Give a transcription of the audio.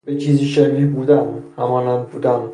به چیزی شبیه بودن، همانند بودن